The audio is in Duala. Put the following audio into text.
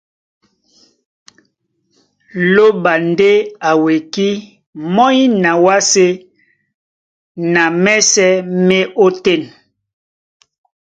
Lóɓa ndé a wekí mɔ́ny na wásē na mɛ́sɛ̄ má e ótên.